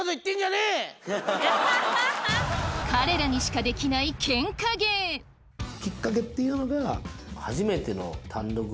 彼らにしかできないケンカ芸きっかけっていうのが。